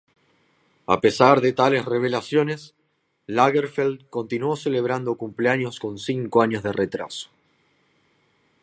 A pesar de tales revelaciones, Lagerfeld continuó celebrando cumpleaños con cinco años de retraso.